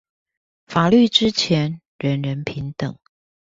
法律之前人人平等